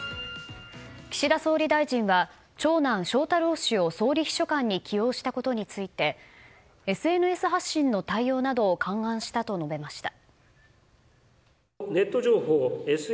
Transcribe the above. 岸田総理大臣は長男・翔太郎氏を総理秘書官に起用したことについてＳＮＳ発信の対応などを勘案したと述べました。